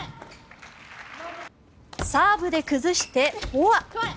サーブで崩してフォア。